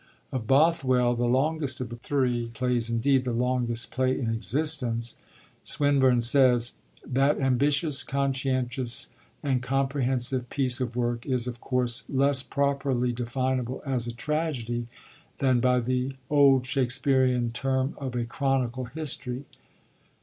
Of Bothwell, the longest of the three plays indeed, the longest play in existence, Swinburne says: 'That ambitious, conscientious, and comprehensive piece of work is of course less properly definable as a tragedy than by the old Shakespearean term of a chronicle history.'